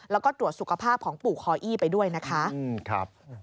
แล้วก็ตรวจสุขภาพของปู่คออี้ไปด้วยนะคะ